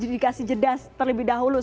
dikasih jeda terlebih dahulu